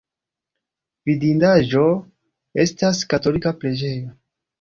Vidindaĵo estas katolika preĝejo.